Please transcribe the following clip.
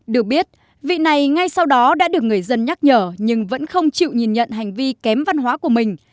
được biết vị này ngay sau đó đã được người dân nhắc nhở nhưng vẫn không chịu nhìn nhận hành vi kém văn hóa của mình